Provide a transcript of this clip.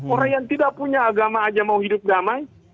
orang yang tidak punya agama saja mau hidup damai